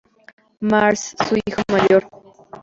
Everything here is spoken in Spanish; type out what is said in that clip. Marsh, su hijo mayor.